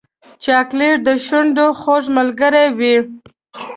چاکلېټ د شونډو خوږ ملګری وي.